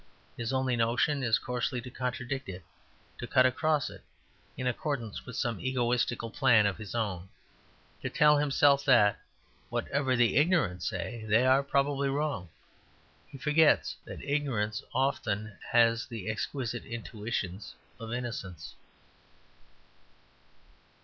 His only notion is coarsely to contradict it, to cut across it, in accordance with some egotistical plan of his own; to tell himself that, whatever the ignorant say, they are probably wrong. He forgets that ignorance often has the exquisite intuitions of innocence.